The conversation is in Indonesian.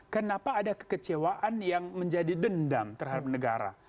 kenapa ada kekecewaan yang menjadi dendam terhadap negara